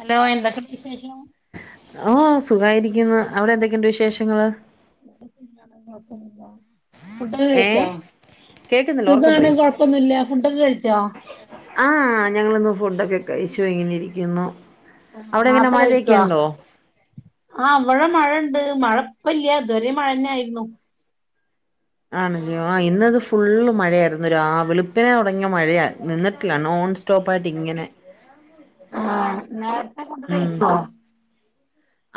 Hello എന്തൊക്കെ വിശേഷം ഓ സുഖായിരിക്കുന്നു അവിടെ എന്തൊക്കെയുണ്ട് വിശേഷങ്ങള് ഫഡക്ക കഴിച്ചാ കേക്കുന്നില്ലോ ഓർക്കപറിയ് ഫുഡൊക്കെ കഴിച്ചോ? ആഹ ഞങ്ങളിന്ന് ഫുഡൊക്കെ കഴിച്ചോ ഇങ്ങനെ ഇരിക്കുന്നു ആ അവിടെ മാത്ത എങ്ങനെ മഴയൊക്കെ കഴിക്കുവ ഉണ്ടോ ആ അവഴ മഴ ണ്ട് മഴപ്പല്ല ഇതുവരെ മഴന്നെ ആയിരുന്നു ആണല്ല്യോ ആ ഇന്നത് ഫുള്ള് മഴയായിരുന്ന ആ വെളുപ്പിനെ തുടങ്ങിയ മഴയ നിന്നിട്ടില്ലാണോ നോൺസ്റ്റോപ്പായിട്ട് ഇങ്ങനെ ആ നേരത്തെ ഫുഡ് കയിക്കോ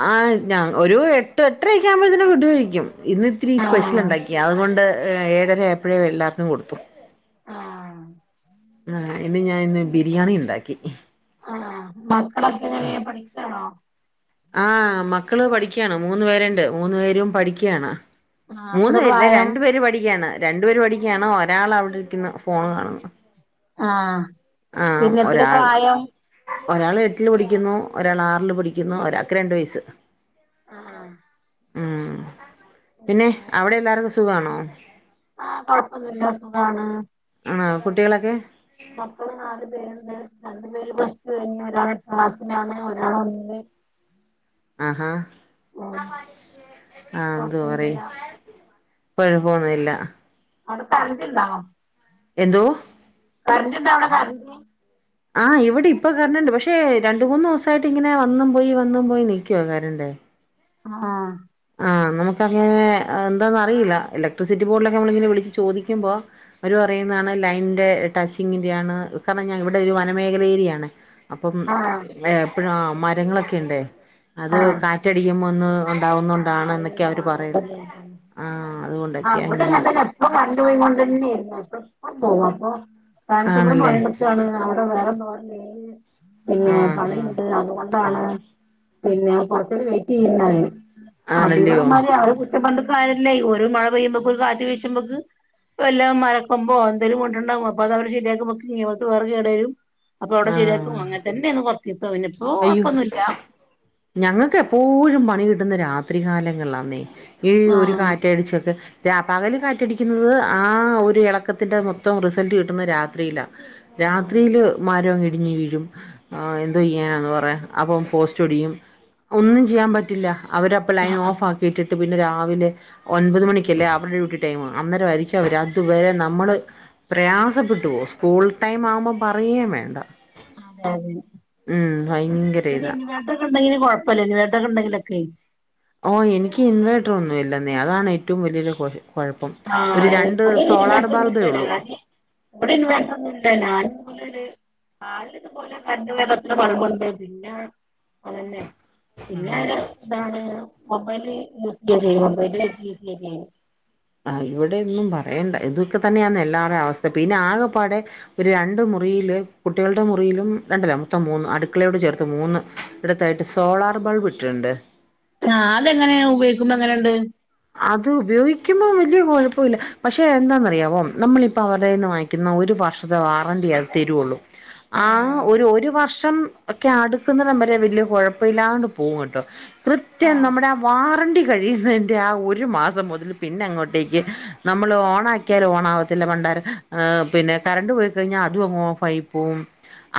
ആ് ഞാ ഒരു എട്ട് എട്ടരക്ക ആകുമ്പോത്തെന് ഫുഡ്‌ കഴിക്കും ഇന്ന് ഇത്തിരി സ്പെഷ്യൽ ആഹ് ഉണ്ടാക്കി അതുകൊണ്ട് ഏഴര എപ്പഴേ എല്ലാർനും കൊടുത്തു ആഹ് ആ ഇന്ന് ഞാൻ ഇന്ന് ബിരിയാണി ഉണ്ടാക്കി ആഹ് മക്കളൊക്കെ എങ്ങനെ പഠിക്കാണോ ആഹ മക്കള് പഠിക്കയാണ് മൂന്നു പേരുണ്ട് മൂന്ന് പേരും പഠിക്കയാണ് ആഹ് എത്ര മൂന്നു പേരില്ലേ പ്രായം? രണ്ടു പേര് പഠിക്കയാണ് രണ്ടു പേര് പഠിക്കയാണ് ഒരാൾവിടെ ഫോണ് കാണുന്നു ആഹ ആഹ് ഒരാള് ഒരാള് എട്ടില് പടിക്കുന്നു ഒരാൾ ആറിൽ പടിക്കുന്നു ഒരാക്ക് രണ്ട് വയസ്സ് ആഹ് ഉം പിന്നെ അവിടെ എല്ലാർക്കും സുഖാണോ ആ കൊഴപ്പന്നില്ലാത്തതാണ് ആ കുട്ടികളൊക്കെ മക്കള് നാലു പേരുണ്ട് രണ്ടു പേര് പ്ലസ് ടു കഴിഞ്ഞ ഒരാ ക്ലാസിലാണ് ഒരാള് ഒന്നി ഉം ആഹാ ആഹ എതു പറ കൊഴപ്പൊന്നുല്ല പഴു പോന്നില്ല അവിടത്തെണ്ടണ്ടോ എന്തോ കറണ്ട്ണ്ടാ അവിടെ കറണ്ട് ആഹ് ഇവിടെ ഇപ്പൊ കഞ്ഞിണ്ട് പക്ഷെ രണ്ട മൂന്ന് ദിവസായിട്ട് ഇങ്ങനെ വന്നും പോയി വന്നും പോയി നിക്കുവ കരണ്ടേ ആഹ് ആഹ് നമുക്കങ്ങനെ എന്താന്നന്ന് അറിയില്ല ഇലക്ട്രിസിറ്റി ബോർഡിലൊക്കെ നമ്മള ഇനെ വിളിച്ചു ചോദിക്കുമ്പോ അവരു പറയാ ണ് ലൈനിന്റെ ടച്ചിങ്ങിന്റെ ആണ് കാരണം ഞാൻ ഇവിടെ ഒരു വനമേഖല ഏരിയാണ് അപ്പം ആഹ് എപ്പോഴ മരങ്ങളൊക്കെ ഉണ്ട് അത് കാറ്റടിക്കുമ്പോൾ ഉണ്ടാകുന്ന ആ ആഹ് ആ അതുകൊണ്ടൊക്കെയാ അവിടെ ഇങ്ങനെ നല്ല എപ്പ കണ്ടുപോയിക കൊണ്ട്ന്നെ പിന്നപ്പം പോവാ അപ്പൊ കനത്തപ്പുറം ആണല്ലേ മഴണക്കാണ് അവിടെ വേറെന്ത പിന്നെ ആഹ് ആഹ് പണിണ്ട് അതുകൊണ്ടാണ് പിന്നെ കൊറച്ച വെയിറ്റ് ചെയ്യുന്ന ആണല്ലയോ അതിവിടെമാതിരി ആരും കുറ്റം പണ്ടക്ക ആയല്ല ഒരു മഴ പെയ്യുമ്പൊക്ക ഒരു കാറ്റ് വീശുമ്പോത്തെക്ക് എല്ലാം മരക്കുമ്പോ എന്തേലും കൊണ്ടുണ്ടകും അപ്പൊ അത് അവര് ശരിയാക്കുമ്പക്ക ഇങ്ങത്ത് വേറെ കേട വരും അപ്പൊ അവിടെ ആഹ് ശരിയാക്കും അങ്ങനത്തന്നെന്ന് കൊറത്തിത്ത ഇനി ഇപ്പോ അയ്യോ കൊഴപ്പൊന്നുമല്ല ഞങ്ങൾക്ക് എപ്പോഴും പണി കിട്ടുന്ന രാത്രി കാലങ്ങളാന്നേ ഈ ഒരു ആഹ് കാറ്റടിച്ചൊക്കെ രാ പകൽ കാറ്റടിക്കുന്നത് ആ ഒരു ഇളക്കത്തിൻ്റെ മൊത്തം റിസൾട്ട് കിട്ടുന്നത് രാത്രിയിലാണ് ആഹ് രാത്രിയില് മര കി കുടിഞ്ഞഞ് വീഴും എന്തോ ചെയ്യാനാെന്ന് പറുക അപ്പം പോസ്റ്റ് ഒടിയും ഒന്നും ചെയ്യാൻ പറ്റില്ല അവരപ്പ ലൈൻ ഓഫ് ആക്കിട്ടി പിന്നെ രാവിലെ ഒൻപത് മണക്ക്ല്ലേ അവരുടെ ഡ്യൂട്ടി ടൈം അന്നേര ആയിരിക്കും അവര് അതുവരെ നമ്മള് പ്രയാസപ്പെട്ടുുവോ സ്കൂൾ ടൈം ആവുമ്പോ പറയം വേണ്ട അതെ അതെ ഉം ഭയങ്കര ഇതാ ണ്ടെങ്കിലും കൊഴപ്പമല്ല ഇ വേതൊക്കെണ്ടെങ്കിലൊക്കെ ഓ എനിക്ക് ഇൻവേർട്ടർ ഒന്നും ഇല്ലെന്നേ അതാണ് ഏറ്റവും വലിയൊരു കുഴപ്പം ഒരു രണ്ട് ഇവിടെ സോളാർ ഇൻവേട്ടറൊന്നു ബൾബേ ഇല്ല ഉള്ളൂ ഞാന് ഇവിടെ ഇൻവേട്ട കൊന്നുല്ല ഞാന് അന ക പോലെ കറൻ്റ് പോയാൽ കത്ത്ണ ബൾബുണ്ട്പിന്ന അതന്നെ പിന്നെ അ ഇതാണ് മൊബൈല് യൂസ് ചെയ ചെയ്യും മൊബൈല യൂസ് ചെയ്യ ചെയ്യും ആ ഇവിടെൊന്നും പറയണ്ട ഇതൊക്കെ തന്നെയാണ് എല്ലാരു അവസ്ഥ പിന്നെ ആകെപ്പാടെ ഒരു രണ്ട മുറി മുറി കുട്ടികളുടെ മുറിയിലും രണ്ടല്ല മൊത്തം മൂന്ന് അടുക്കളയോട് ചേർത്ത് മൂന്ന് ഇടത്തായിട്ട് സോളാർ ബൾബ് ഇട്ടിട്ടുണ്ട് ആ അതെങ്ങനെയ ഉപയോഗിക്കുമ്പോ എങ്ങനെയുണ്ട് അത് ഉപയോഗിക്കുമ്പോൾ വലിയ കുഴപ്പമില്ല പക്ഷേ എന്താെന്നറിയാവോ നമ്മളിപ്പോൾ അവരുടെന്ന് വാങ്ങിക്കുന്ന ഒരു വർഷത്തെ വാറണ്ടിത് തരുുള്ളൂ ആ ആഹ് ഒരു ഒരു വർഷം ഒക്കെ അടുക്കുന്ന നമ്പര് വല്ിയ കുഴപ്പ ഇില്ലാണ്ട് പോകും കേട്ടോ കൃത്യം ആഹ് നമ്മുടെ ആ വാറണ്ടി കഴിയുന്ന ആ ഒരു മാസം മുതൽ പിന്നെ അങ്ങോട്ടേക്ക് നമ്മൾ ഓണക്കിയാൽ ഓണ ആവത്തില്ല പണ്ട പിന്നെ കറണ്ട് പോയി കഴിഞ്ഞാൽ അത് അതുങ്ങ് ഓഫ് ആയി പോവും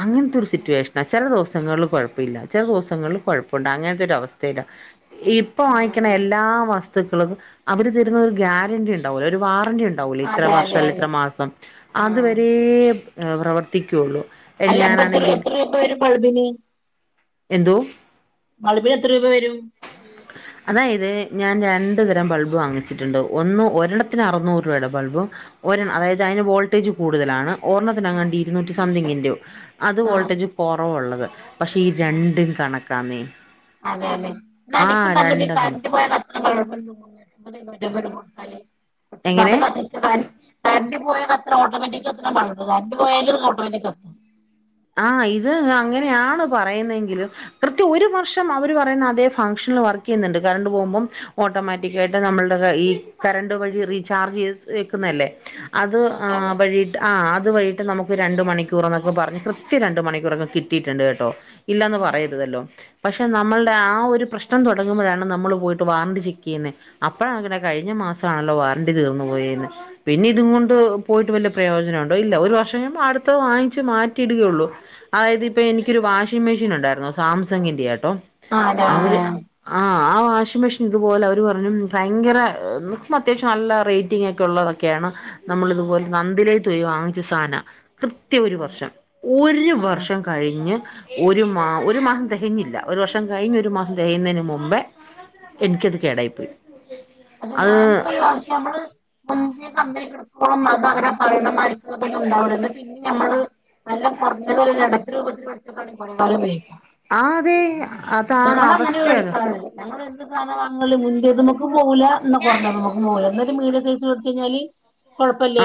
അങ്ങനത്തെ ഒരു ആഹ് സിറ്റുവേഷന ചില ദിവസ ങ്ങളിൽ കുഴപ്പില്ല ചെല ദിവസങ്ങളിൽ കുഴപ്പുണ്ട് അങ്ങനത്തെ ഒരു അവസ്ഥയിലഇപ്പൊ വാങ്ങിക്കുന്ന ആഹ് എല്ലാ വസ് വസ്തുക്കൾ അവര് തരുന്ന ഒരു ഗ്യാരണ്ടിണ്ടാവല്ലോ ഒരു വാറണ്ടി ഉണ്ട ഉണ്ടാവുലെ ഇത്ര അതെ അതെ വർഷല്ലേ അതെ ഇത്ര മാസം അത് ആഹ് വരെ പ്രവർത്തിക്കുള്ളൂ അല്ല പ്പാ എത്രൂപ ഞാനാണെങ്കിൽ എത്ര രൂപപ്പ വരും ഒരു ബൾബിന് ബൾബിന് എത്ര രൂപ വരും അതാ യിത് ഞാൻ രണ്ടു തരം ബൾബ് വാങ്ങിച്ചിട്ടുണ്ട് ഒന്ന് ഒരിണ്ണത്തിന് അറുനൂറ് രൂപയുടെ ബൾബും ഒരെണ്ണം ആഹ് അതായത് അതിന് വോൾട്ടേജ് കൂടുതലാണ് ഒരെണ്ണത്തിന്, ആഹ് എങ്ങാണ്ട് ഇരുന്നൂറ്റി സംതിംഗ് ൻ്റു അത് ആഹ് വോൾട്ടേജ് കുറവുള്ളത് പക്ഷെ ഈ ആഹ് രണ്ടും കണക്കാന്നേ അതെ അതെ ആഹ് അതിക്കും നല്ലത് രണ്ടെണ്ണം കറൻ്റ് പോയ കത്തുന്ന ബൾബല്ലെ എങ്ങനെ [inaudible] കറെൻ്റ് പോയാൽ കത്തുന്ന ഒട്ടോമറ്റിക് കത്തുന്ന ബൾബ് കറൻ്റ് പോയാലും ഓട്ടോമേറ്റിക്കായ് കത്തും ആ ഇത് അങ്ങനെയാണ് പറയുന്നതെങ്കിലും കൃത്യം ഒരു വർഷം അവര് പറയുന്ന അതേ ഫംഗ്ഷൻ വർക്ക് ചെയ്യുന്നുണ്ട് കറണ്ട് പോകുമ്പോൾ ഓട്ടോമാറ്റിക്ക് ആയിട്ട് നമ്മളുടെ ഈ കറണ്ട് വഴി റീചാർജ് ചെയ് വെക്കുന്നതല്ലേ അത് അതെ വഴിട്ട് ആ അത് വഴിട്ട് നമുക്ക് രണ്ട് മണിക്കൂർ എന്നൊക്കെ പറഞ്ഞ് കൃ കൃത്യം രണ്ട് മണിക്കൂറൊക്കെ കിട്ടിയിട്ടുണ്ട് കേട്ടോ ഇല്ലാന്ന് പറയരുതല്ലോ പക്ഷെ നമ്മളുടെ ആ ഒരു പ്രശ്നം തുടങ്ങുമ്പോഴാണ് നമ്മൾ പോയിട്ട് വാറണ്ടി ചെക്ക് ചെയ്യുന്നത് അപ്പോഴ അങ്ങനെ കഴിഞ്ഞ മാസണല്ലോ വാറണ്ടി തീർന്ന് പോയെന്ന് പിന്നെ ഇതും കൊണ്ട് പോയിട്ട് വലിയ പ്രയോജനണ്ടോ ഇല്ല ഒരു വർഷം അടുത്ത വാങ്ങിച്ച് മാറ്റിയിടുകയുള്ളു അതായത് ഇപ്പോ എനിക്കൊരു വാഷിംഗ് മെഷീൻ ഉണ്ടായിരുന്നു സാംസങ്ങിൻ്റെ ആയിരു കേട്ടോ അതെ അവര് ആഹ് ആ ആ വാഷിംഗ് മെഷീൻ ഇതുപോലെ അവർ പറഞ്ഞു ഭയങ്കര അത്യാവശ്യം നല്ല റേറ്റിംഗ് ഒക്കെ ഉള്ളതൊക്കെയാണ് ആഹ് നമ്മളിതുപോലെ നന്തിലയാത്ത് പോയി വാങ്ങിച്ച സാധന കൃത്യ ഒരു അതെ വർഷം ഒരു ആഹ് വർഷം കഴിഞ്ഞ് ഒരു മാ ഒരു മാസം തികഞ്ഞില്ല ഒരു വർഷം കഴിഞ്ഞ് ഒരു മാസം തികുന്നതിന് മുമ്പേ എനിക്കത് കേടായി പോയി [inaudible] [inaudible] [inaudible] ആ അതെ അതാണ് ഞങ്ങള് ഞങ്ങനെ അവസ്ഥയത് വേടിക്കണത് ഞങ്ങൾ എന്ത് സാധനമാണെങ്കിലും മുൻന്തേ തിമ്മക്ക്പോ [inaudible]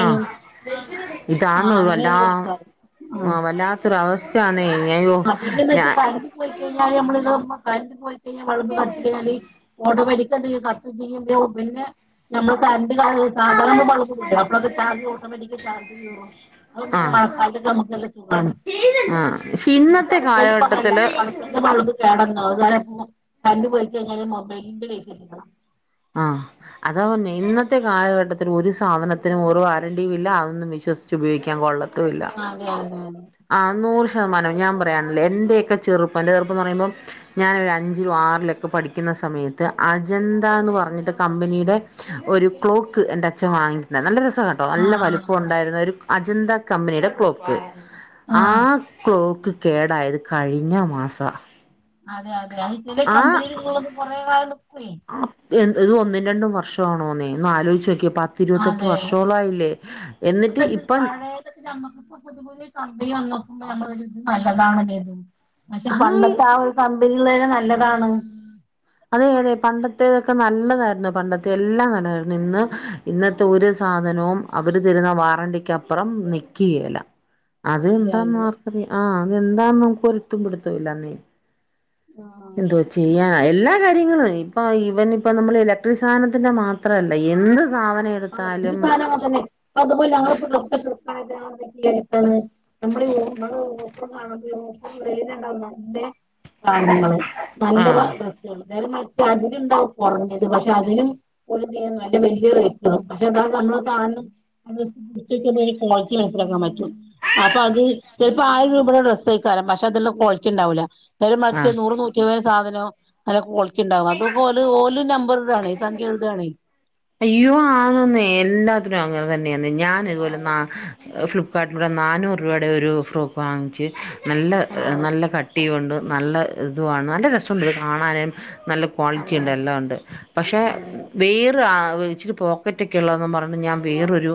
ആ ആ ഇതാണ് അങ്ങനെയ വല്ലാ വേടിക്കാറ് ആ വല്ലാത്തൊരു അവസ്ഥയാന്നേ അയ്യോ പിന്നെ എന്തെന്ന് വെച്ചാല ഞാൻ കറൻ്റ് പോയി കഴിഞ്ഞാൽ നമ്മള് ആ [unintelligible] [inaudible] [inaudible] [inaudible] ആ ഇന്നത്തെ കാലഘട്ടത്തില് [inaudible] [inaudible] ആ അതാപന്നെ ഇന്നത്തെ കാലഘട്ടത്തിൽ ഒരു സാധനത്തിനും ഒരു വാറണ്ടിയും ഇല്ല അതൊന്നും വിശ്വസിച്ച് ഉപയോഗിക്കാൻ കൊള്ള തും ഇല്ല അതെ അതെ അതെ ആ നൂ റു. ശതമാനം ഞാൻ പറയാണോ എന്റെ യൊക്കെചെറുപ്പ് എന്റെ ചെറുപ്പ എന്ന് പറയുമ്പോൾ ഞാനൊരു അഞ്ചുലും ആറിലൊക്കെ പഠിക്കുന്ന സമയത്ത് അജന്ത ന്ന് പറഞ്ഞിട്ട് കമ്പനിയുടെ ഒരു ക്ലോക്ക് എന്റെ അച്ഛൻ വാങ്ങിയിട്ട് നല്ല രസ കേട്ടോ നല്ല ആഹ് വലുപ്പം ആഹ് ഉണ്ടായിരുന്ന ഒരു അജന്ത കമ്പനിയുടെ ക്ലോക്ക് ആ ആഹ് ക്ലോക്ക് കേടായത് കഴിഞ്ഞ മാസ [inaudible] ഇത് ഒന്നും രണ്ടും വർഷമാണോന്നേ ഒന്ന് ആലോചിച്ച് നോക്കിയ അതെ ഇപ്പ എന്നിട്ട് ഇപ്പം പഴയതൊക്കെ നമ്മക്കിപ്പോ പുതിയ പുതിയ [unintelligible] നല്ലതാണ്കരുതും പക്ഷെ ആ പണ്ടത്തെ ആ ഒരുക ള്ളരെെ നല്ലതാണ് അതെ അതെ പണ്ടത്തേതൊക്കെ നല്ലതായിരുന്നു പണ്ടത്തെ എല്ലാം നല്ലതായിരുന്നു ഇന്ന് ഇന്നത്തെ ഒരുസ സാധനവും അവര് തരുന്ന വാറണ്ടിക്കപ്പുറം നിക്കേല്ല അത് അതെ എന്താന്ന് അതെ മാർക്കറിയ ആഹ് അതെന്താന്ന് നമക്ക് ഒരുത്തും പിടുത്തല്ലന്നീ ആഹ് എന്തോ ചെയ്യാന എല്ല കാര്യങ്ങള് ഇപ്പൊ ഇവൻ ഇപ്പ നമ്മൾ ഇലക്ട്രിക് സാധനത്തിന്റെ മാത്രല്ല എന്ത് സാധനം ആഹ് എന്ത് എടുത്താലും കാണോ അതന്നെ അതുപോലെ ഞങ്ങ ഇപ്പൊ ണ് [inaudible] നമ്മള് ഓപ്പറ ഇങ്ങൾ ഓഫർ ഓഫർഇല്ലേല് നല്ലേ പാങ്ങള് ന ആഹ് [unintelligible] പെ അതിനുണ്ടാവും കുറഞ്ഞത് പക്ഷെ അതിനും പോലെ ചെയ്യല്ല വലിയ റേ പക്ഷെ അതായത് നമ്മള് കാണും ഉച്ചയ്ക്ക് എന്തെങ്കിലും [inaudible] ൻ പറ്റും അപ്പൊ അത് ചെലപ്പോ ആയിരം രൂപയുടെ ഡ്രസ്സ്യേ യിക്കാരം പക്ഷെ അതെല്ലാം ക്വാളിറ്റി ഉണ്ടാവൂല്ല ഓല് മളിച്ച ആഹ് നൂറ് നൂറ്റിയപൻ്റെ സാധനൊ നല്ല കൊളിറ്റി ഉണ്ടാവും അത് ഓല് നമ്പർ [unintelligible] സജ്ജി എയ്താണെ അയ്യോ ആണന്നേ എല്ലാത്തിനും അങ്ങനെ തന്നെയന്ന് ഞാന് ഇതുപോലെ അതെ ഫ് കാട്ട ഇവിടെ നാനൂറ് രൂപയുടെ ഒരു ഫ്രോക്ക് വാങ്ങിച്ച് നല്ല ആഹ് നല്ല കട്ട് ചെയ്തുകൊണ്ട് നല്ല ഇതുവാണ് നല്ല രസൊണ്ടത് കാണാന് നല്ല ക്വാളിറ്റി അതെ ഉണ്ട് എല്ലാം ഉണ്ട് പക്ഷെ അതെ വെ ഇച്ചിരി പോക്കറ്റൊക്കെ ഉള്ളതാന്ന് പറഞ്ഞ് ഞാൻ വേറൊരു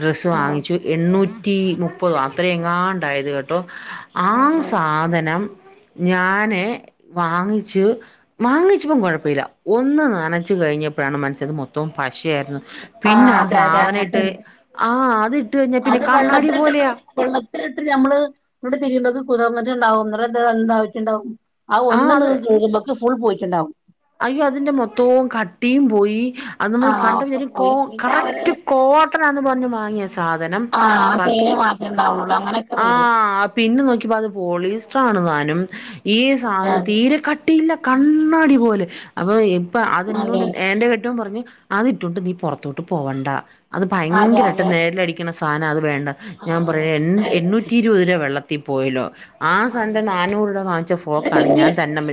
ഡ്രസ്സ് ആഹ് വാങ്ങിച്ചു എണ്ണൂ നൂറ്റി മുപ്പതും അത്ര എങ്ങാണ്ടായത് കേട്ടോ ആഹ് സാധനം ഞാന് വാങ്ങിച്ചു മാങ്ങിച്ചപ്പം കൊഴപ്പില്ല ഒന്ന് നനച്ച് ക കഴിഞ്ഞപ്പോഴാണ് മനസ്ത് മൊത്തം പശിയായിരുന്നു പിന്നെ ആഹ് അതെ അതെ സാധനയിട്ട് അങ്ങനത്തെണ്ട് ആഹ് അത് വെള്ളത്തിലിട്ട വെള്ളത്തിലിട്ട് നഞമ്മള് തിരു കുതന്നിട്ടുണ്ടാവും [unintelligible] ണ്ടാവും ആ ഒന്ന [unintelligible] സ്കൂൾ പോയിട്ടുണ്ടാവും അയ്യോ അതിന്റെ മൊത്തവും കട്ടിയും പൂയി അത് നമ്മൾ ആഹ് ഒക്കെ കണ്ടും കോ പോയി പിന്നെ അവര് കറക്റ്റ് കോട്ടൺ ആന്ന് പറഞ്ഞ് വാങ്ങിയ സാധനം അയിൻ പക്ഷ മാത്രം ഉണ്ടാവോ ആഹ് പിന്നെ നോക്കിയപ്പോ അത് പോളീസ്റ്റർ ആണ് താനും ഈ അതെ സാധനം അതെ തീരെ കട്ടിയില്ല കണ്ണാടി പോലെ അപ്പൊ അപ്പ അതെ അതോണ്ട് എന്റെ കെട്ടിയോൻ പറഞ്ഞ് അത്ട്ടുകൊണ്ട് നീ പുറത്തോട്ട് പോവണ്ട അത് അതെ ഭയങ്കരമായിട്ട് അതെ നേരില അടിക്കണ സാധനം അത് വേണ്ട ഞാൻ ആഹ് പറയ അതെ എണ്ണൂറ്റി ഇരുപത് വെള്ളത്തി ത്തി പോയിലോ ആ സാറിന്റെ അതെ നാനൂറു രൂപ വാങ്ങിച്ച ന്നാ ഫോക്ക ആണ് പിന്നെ ഞാൻ തന്ന [unintelligible]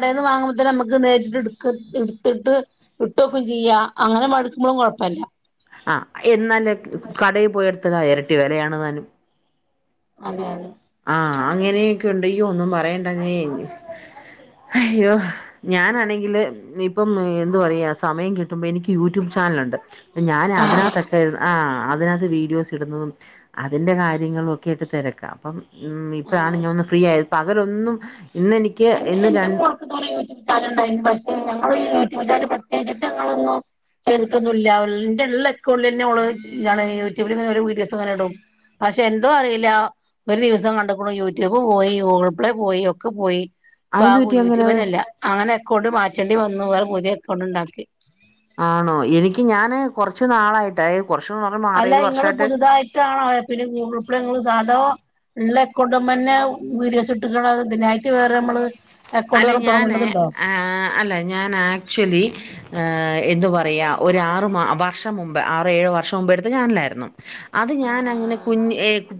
അവിന്ന് വാങ്ങുമ്പേതന്നെ നമ നേരിട്ട് എടുത്തിട്ട് ഇട്ട്ക്ക ചെയ്യാം അങ്ങനെ മടുക്കുമ്പോഴും വല്ല ആ എന്നാലേ കടയിൽ പോയെടുത്തല്ല ഇരട്ടി വിലയാണ് താനും അതെയ അതെ ആ അങ്ങനെയൊക്കെ ഉണ്ട്യ്യോ ഒന്നും പറയണ്ട അയ്യോ ഞാനാണെങ്കില് ഇപ്പം എന്താ പറയാ സമയം കിട്ടുമ്പോ എനിക്ക് യൂട്യൂബ് ചാനലുണ്ട് ഞാന് അതിനകത്തൊക്കെ ആ അതിനകത്ത് വീഡിയോസ് ഇടുന്നതും അതിൻ്റെ കാര്യങ്ങളുംക് കേട്ട് തിരക്കാം അപ്പം ഇപ്പഴാണ് ആഹ് ഞാൻ ഒന്ന് ഫ്രീ ആയത് പകലൊന്നും ഇന്നെനിക്ക് എന്റെ ഇന്ന് എന്റെ രണ്ട് ഉമ്മാക്ക് [unintelligible] സ്ഥലം ഉണ്ടായിരുന്നു പക്ഷെ [unintelligible] ചെർക്കൊന്നുമില്ല അവന്റെ ഉള്ള അക്കൗണ്ടിൽ തന്നെമ്മള് ഇണ് യൂട്യൂബിൽ ഇങ്ങനെ വീഡിയോസ് ഇങ്ങനെ ഇടും പക്ഷെ എന്തോ അറിയില്ല ഒരു ദിവസം കണ്ട കൂ യൂട്യൂബ് പോയി ഗൂഗിൾ പ്ലേ പോയി ഒക്കെ പോയി ഗ അതെന്തു പറ്റി അങ്ങനെ യൂട്യൂബിനല്ല അങ്ങനെ അക്കൗണ്ട് മാറ്റേണ്ടി വന്നു വേറെ പുതിയ അക്കൗണ്ട് ഉണ്ടാക്കി ആണോ എനിക്ക് ഞാന് കൊറച്ചു നാളായിട്ടയി അല്ല ഇങ്ങള്ൾ പുതുതായിട്ടാണോ പിന്നെ ഗപ്പടെ നിങ്ങ സാധോ ഉള്ള എക്കൗണ്ട് മ്മതന്നെ വീഡസ് ഇട്ടക്കണ ഇതിനായിട്ട് വേറെ നമ്മള് അക്കൗണ്ട് അല്ല വേറെ ഞാന് തൊടങ്ങേണ്ടതുണ്ടോ? അല്ല ഞാൻ ആക്ച്വലി എന്തു പറയുക ഒരുരാറ് മാ വർഷം മുമ്പ് ആറ് ഏഴ് വർഷം മുമ്പ് എടുത്ത് ഞാനിലായിരുന്നു അത് ഞാൻ ആഹ് അങ്ങനെ കുഞ്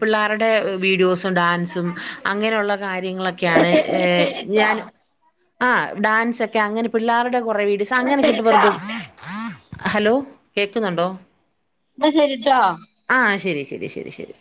പിള്ളേരുടെ വീഡിയോസും ഡാൻസും അങ്ങനെയുള്ള ആഹ് എന്നാ കാര്യങ്ങളൊക്കെയാണ് ശെ എന്നാ ശരിട്ടോ ഞാൻ ആ ഡാൻസ്ക്കെ അങ്ങനെ പിള്ളേരുടെ കൊറെ വീഡയോസ് എന്നാ അങ്ങനെക്കെട്ട് ശരിട്ടോ വെറുതും ഹലോ കേൾക്കുന്നുണ്ടോ ന്നാ ശരിട്ടാ ആ ശരി ശരി ശരി